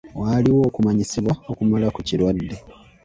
Waliwo okumanyisibwa okumala ku kirwadde.